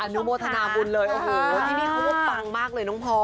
นุโมทนาบุญเลยโอ้โหที่นี่เขาว่าปังมากเลยน้องพอ